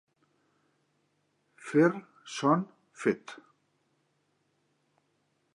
Fer son fet.